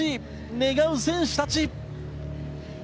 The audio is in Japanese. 願う選手たち。